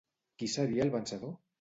Qui seria el vencedor?